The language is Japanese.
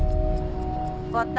終わった？